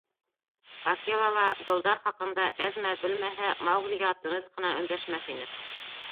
Акела ла, долдар хаҡында әҙ-мәҙ белмәһә, Мауглиға тыныс ҡына өндәшмәҫ ине.